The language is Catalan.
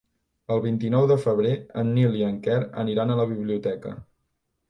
El vint-i-nou de febrer en Nil i en Quer aniran a la biblioteca.